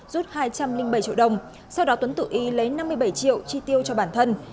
rút hai trăm linh bảy triệu đồng sau đó tuấn tự ý lấy năm mươi bảy triệu chi tiêu cho bản thân